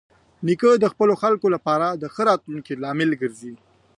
نیکه د خپلو خلکو لپاره د ښه راتلونکي لامل ګرځي.